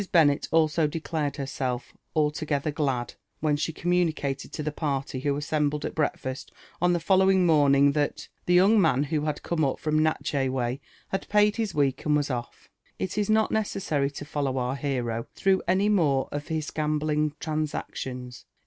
Bennet also declared herself "allogeUier glad/' when she com mnnfcated lo the parly who assembled at breakfast on (he following morning, (hat (he young chap who came up from Natchoy way bad paid his week and was ofT." It is not necessary to follow our hero through any more of his gam ^ btlng transac(ions.